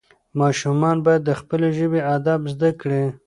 ماشومان باید د خپلې ژبې ادب زده کړي.